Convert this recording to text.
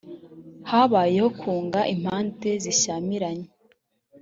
habayeho kunga impande zishyamiranye